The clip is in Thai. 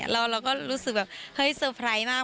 เราก็รู้สึกแบบเฮ้ยเซอร์ไพรส์มาก